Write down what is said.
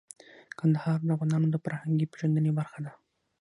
کندهار د افغانانو د فرهنګي پیژندنې برخه ده.